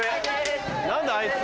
何だあいつ。